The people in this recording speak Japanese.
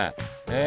え